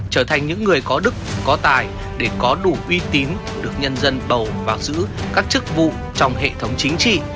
trở thành những người có đức có tài để có đủ uy tín được nhân dân bầu và giữ các chức vụ trong hệ thống chính trị